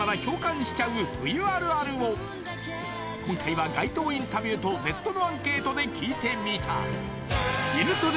今回は街頭インタビューとネットのアンケートで聞いてみた